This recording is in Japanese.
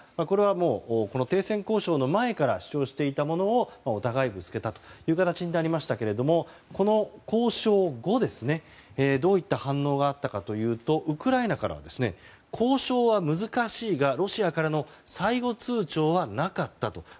これは、停戦交渉の前から主張していたものをお互いぶつけたという形になりましたがこの交渉後、どういった反応があったかというとウクライナからは交渉は難しいがロシアからの最後通牒はなかったと。